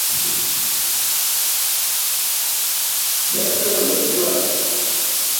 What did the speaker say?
ḍaakṭarlar ni baa?